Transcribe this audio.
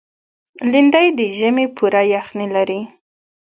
لېندۍ د ژمي پوره یخني لري.